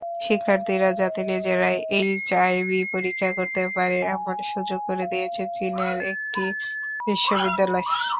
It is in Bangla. শিক্ষার্থীরা যাতে নিজেরাই এইচআইভি পরীক্ষা করতে পারে—এমন সুযোগ করে দিয়েছে চীনের একটি বিশ্ববিদ্যালয়।